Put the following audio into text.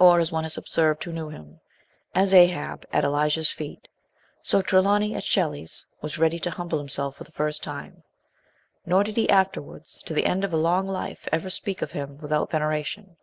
or, as one has observed who knew him, as Ahab at Elijah's feet, so Trelawny at Shelley's was ready to humble himself for the first time ; nor did he after wards, to the end of a long life, ever speak of him without veneration.